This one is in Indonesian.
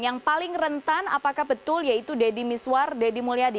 yang paling rentan apakah betul yaitu deddy miswar deddy mulyadi